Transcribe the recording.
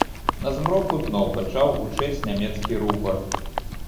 На змроку зноў пачаў гучэць нямецкі рупар.